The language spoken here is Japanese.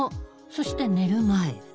そして寝る前。